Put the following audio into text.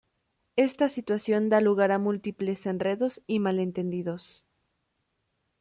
Esta situación da lugar a múltiples enredos y malentendidos.